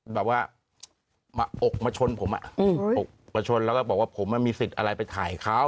แบบว่ามาอกมาชนผมอกมาชนแล้วก็บอกว่าผมมันมีสิทธิ์อะไรไปถ่ายเขา